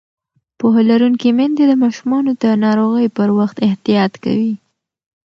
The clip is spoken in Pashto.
پوهه لرونکې میندې د ماشومانو د ناروغۍ پر وخت احتیاط کوي.